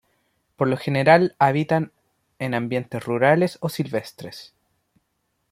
Por lo general habitan en ambientes rurales o silvestres.